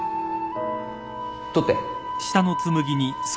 取って。